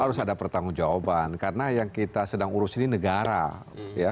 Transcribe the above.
harus ada pertanggung jawaban karena yang kita sedang urus ini negara ya